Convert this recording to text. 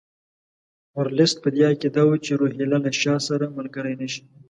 ورلسټ په دې عقیده وو چې روهیله له شاه سره ملګري نه شي.